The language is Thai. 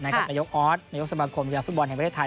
กับประโยคออสประโยคสมบัติความคิดว่าฟุตบอลแห่งแม่ไทยไทย